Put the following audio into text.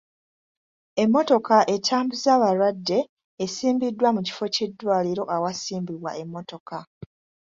Emmotoka etambuza abalwadde esimbiddwa mu kifo ky'eddwaliro awasimba emmotoka.